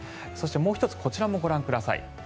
そしてもう１つこちらもご覧ください。